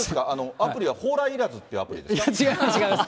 アプリは蓬莱いらずっていうアプ違います、違います。